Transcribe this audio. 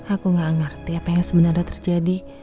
aku gak ngerti apa yang sebenarnya terjadi